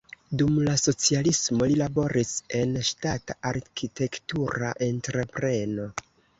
Dum la socialismo li laboris en ŝtata arkitektura entrepreno.